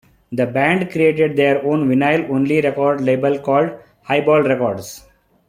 The band created their own vinyl only record label called Hi-Ball Records.